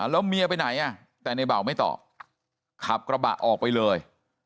แล้วเมียไปไหนแต่ในเบาไม่ตอบขับกระบะออกไปเลย